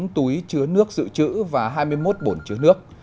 bốn mươi bốn túi chứa nước dự trữ và hai mươi một bổn chứa nước